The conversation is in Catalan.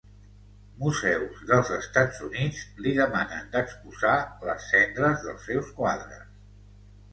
Museus dels Estats Units li demanen d'exposar les cendres dels seus quadres.